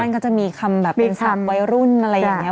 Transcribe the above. มันก็จะมีคำแบบเป็นคำวัยรุ่นอะไรอย่างนี้